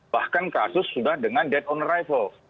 bahkan kasus sudah dengan dead on arrival